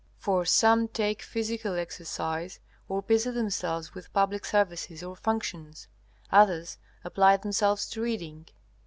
For some take physical exercise or busy themselves with public services or functions, others apply themselves to reading.